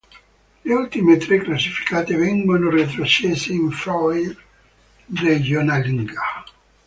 Le ultime tre classificate vengono retrocesse in Frauen-Regionalliga.